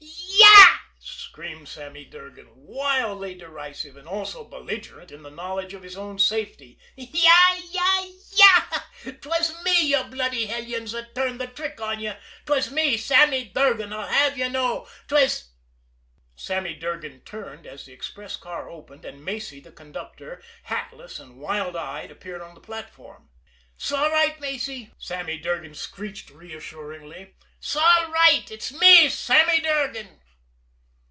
"Yah!" screamed Sammy Durgan, wildly derisive and also belligerent in the knowledge of his own safety. "Yah! Yah! Yah! 'Twas me, ye bloody hellions, that turned the trick on ye! 'Twas me, Sammy Durgan, and I'll have you know it! 'Twas " Sammy Durgan turned, as the express car opened, and Macy, the conductor, hatless and wild eyed, appeared on the platform. "'S'all right, Macy!" Sammy Durgan screeched reassuringly. "'S'all right it's me, Sammy Durgan."